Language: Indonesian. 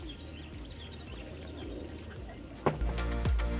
ini memang sangat sedap